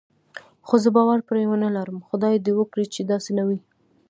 خو زه باور پرې نه لرم، خدای دې وکړي چې داسې نه وي.